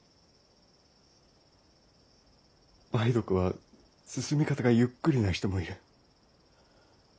梅毒は進み方がゆっくりな人もいる。